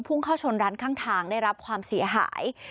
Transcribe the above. เข้าชนร้านข้างทางได้รับความเสียหาย